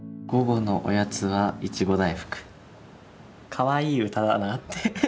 かわいい歌だなって。